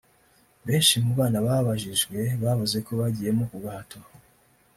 benshi mu bana babajijwe bavuze ko bagiyemo ku gahato